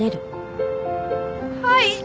はい！